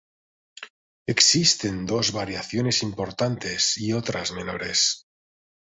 Existen dos variaciones importantes, y otras menores.